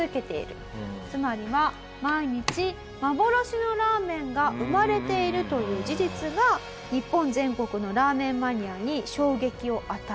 つまりは毎日幻のラーメンが生まれているという事実が日本全国のラーメンマニアに衝撃を与えました。